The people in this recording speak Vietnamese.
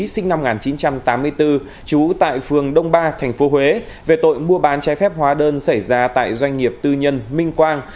sinh năm một nghìn chín trăm tám mươi bốn trú tại phường đông ba tp huế về tội mua bán trái phép hóa đơn xảy ra tại doanh nghiệp tư nhân minh quang